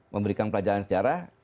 memberikan pelajaran sejarah